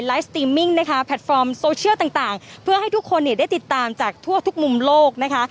สติมมิ่งนะคะแพลตฟอร์มโซเชียลต่างเพื่อให้ทุกคนเนี่ยได้ติดตามจากทั่วทุกมุมโลกนะคะ